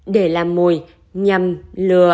để làm mồi nhằm lừa